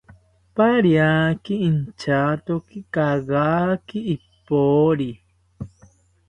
Pariaki inchatoki kagaki ipori